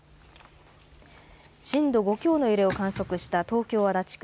震度５強の揺れを観測した東京足立区。